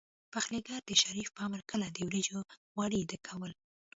پخليګر د شريف په امر کله د وريجو غوري ډکول.